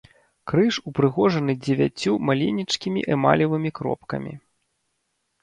Крыж упрыгожаны дзевяццю маленечкімі эмалевымі кропкамі.